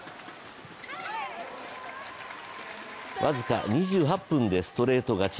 僅か２８分でストレート勝ち。